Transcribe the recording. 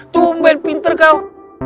tumben pinter kau